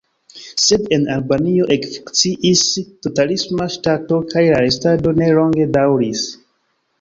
Sed en Albanio ekfunkciis totalisma ŝtato kaj la restado ne longe daŭris.